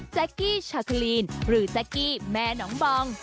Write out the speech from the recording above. กี้ชาลีนหรือแจ๊กกี้แม่น้องบอง